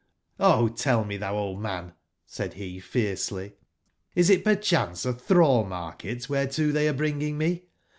O tell me, thou old man,"said he fiercely, is it perchance athrallmarket whereto they are bringing me